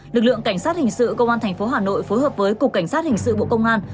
lực lượng cảnh sát hình sự công an tp hà nội phối hợp với cục cảnh sát hình sự bộ công an